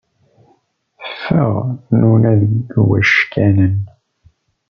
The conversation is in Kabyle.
Teffeɣ nuna deg wackanen.